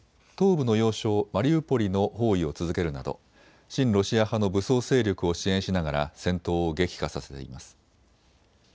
東部の要衝マリウポリの包囲を続けるなど親ロシア派の武装勢力を支援しながら戦闘を激化させています。